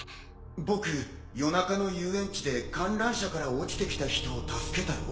僕夜中の遊園地で観覧車から落ちてきた人を助けたよ。